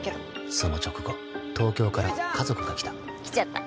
その直後東京から家族が来た来ちゃった。